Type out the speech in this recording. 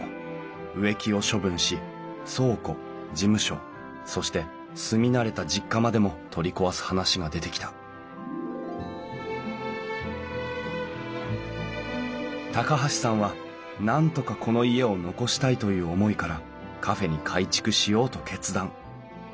植木を処分し倉庫事務所そして住み慣れた実家までも取り壊す話が出てきた高橋さんは何とかこの家を残したいという思いからカフェに改築しようと決断。